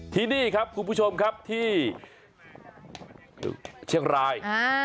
ที่นี่ครับคุณผู้ชมครับที่เชียงราย